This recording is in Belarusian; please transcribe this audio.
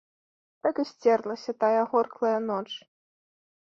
Так і сцерлася тая агорклая ноч.